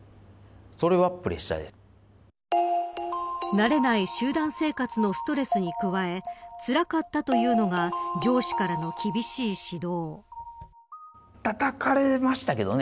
慣れない集団生活のストレスに加えつらかったというのが上司からの厳しい指導。